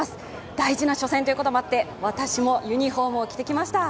大事な初戦ということもあって、私もユニフォームを着てきました。